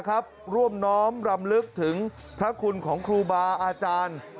ร่วมน้อมรำลึกถึงพระคุณของครูบาอาจารย์